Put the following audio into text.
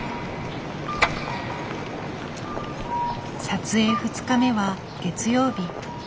撮影２日目は月曜日。